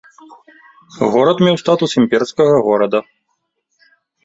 Горад меў статус імперскага горада.